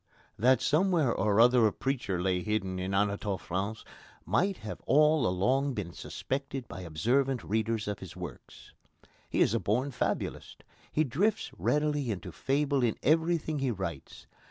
That somewhere or other a preacher lay hidden in Anatole France might have all along been suspected by observant readers of his works. He is a born fabulist. He drifts readily into fable in everything he writes.